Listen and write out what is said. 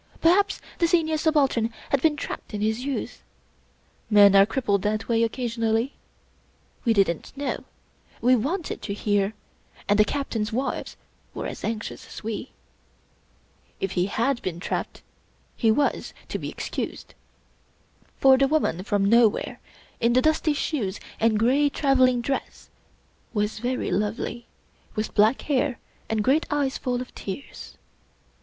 Perhaps the Senior Subaltern had been trapped in his youth. Men are crippled that way occasionally. We didn't know; we wanted to hear; and the Captains' wives were as anxious as we. If he had been trapped, he was to be excused ; for the woman from nowhere, in the dusty shoes and gray traveling dress, was very lovely, with black hair and great eyes full of tears.